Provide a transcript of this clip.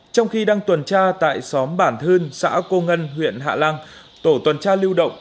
trong khi đang tuần tra tại xóm bản thưn xã cô ngân huyện hạ lăng tổ tuần tra lưu động